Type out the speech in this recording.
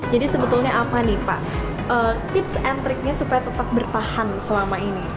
jadi sebetulnya apa nih pak tips and trick nya supaya tetap bertahan selama ini